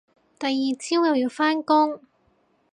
第二朝又要返工